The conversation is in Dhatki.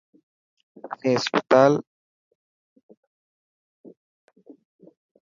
اسين هسپتال هيا تا جوڻ.